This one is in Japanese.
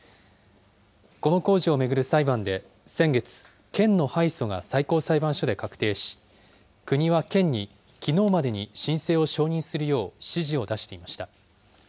この工事を巡る裁判で先月、県の敗訴が最高裁判所で確定し、国は県にきのうまでに申請を承認するよう指示を出していました。